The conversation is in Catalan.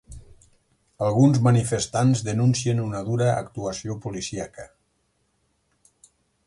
Alguns manifestants denuncien una dura actuació policíaca.